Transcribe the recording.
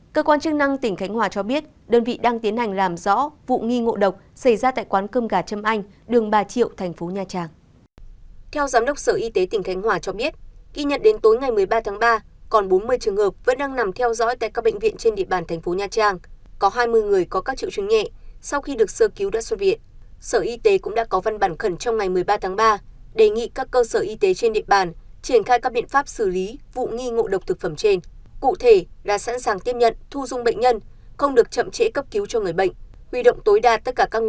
cơ quan chức năng tỉnh khánh hòa cho biết đơn vị đang tiến hành làm rõ vụ nghi ngộ độc xảy ra tại quán cơm gà trâm anh đường ba triệu tp nha trang